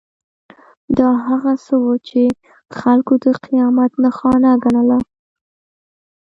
دا هغه څه وو چې خلکو د قیامت نښانه ګڼله.